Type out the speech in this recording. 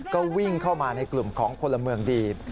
ก็วิ่งเข้ามาในกลุ่มของพลเมืองดี